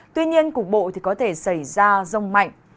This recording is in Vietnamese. tuy nhiên cục bộ thì có thể xảy ra rông mạnh